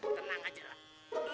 tenang aja lah